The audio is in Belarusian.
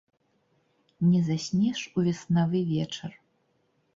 Не заснеш у веснавы вечар.